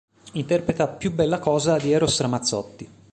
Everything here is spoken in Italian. Interpreta "Più bella cosa" di Eros Ramazzotti.